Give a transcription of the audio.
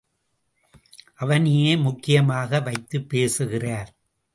அவனையே முக்கியமாக வைத்துப் பேசுகிறார்.